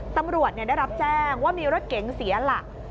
ตำรวจได้รับแจ้งว่ามีรถเก๋งเสียหลัก